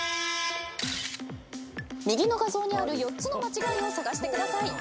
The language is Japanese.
右の画像にある４つの間違いを探してください。